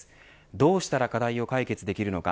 どうしたら課題を解決できるのか。